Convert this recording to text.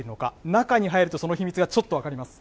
中に入ると、その秘密がちょっと分かります。